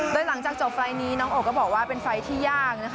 โดยหลังจากจบไฟล์นี้น้องโอก็บอกว่าเป็นไฟล์ที่ยากนะคะ